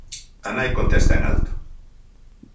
A nai contesta en alto: